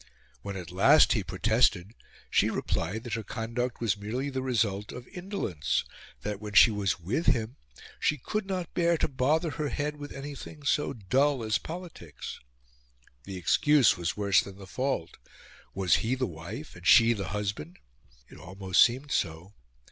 When at last he protested, she replied that her conduct was merely the result of indolence; that when she was with him she could not bear to bother her head with anything so dull as politics. The excuse was worse than the fault: was he the wife and she the husband? It almost seemed so.